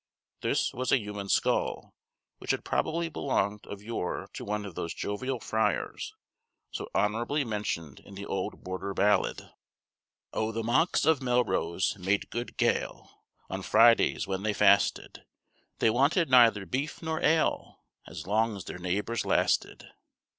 This was a human skull, which had probably belonged of yore to one of those jovial friars, so honorably mentioned in the old border ballad: "O the monks of Melrose made gude kale On Fridays, when they fasted; They wanted neither beef nor ale, As long as their neighbors lasted."